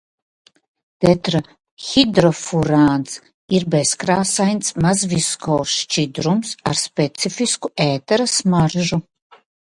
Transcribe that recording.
Tetrahidrofurāns ir bezkrāsains, mazviskozs šķidrums ar specifisku ētera smaržu.